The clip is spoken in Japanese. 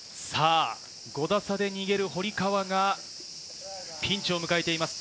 ５打差で逃げる堀川がピンチを迎えています。